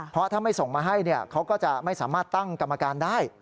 เพราะถ้าไม่ส่งมาให้เขาก็จะไม่สามารถตั้งกรรมการได้